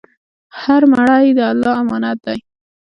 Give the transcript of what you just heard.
هر مړی د الله امانت دی.